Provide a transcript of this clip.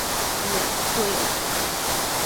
Jā, to jau teicāt.